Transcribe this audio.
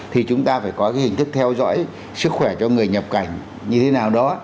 thì chúng ta phải có cái hình thức theo dõi sức khỏe cho người nhập cảnh như thế nào đó